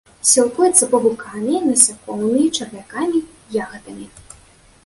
Сілкуецца павукамі, насякомымі, чарвякамі, ягадамі.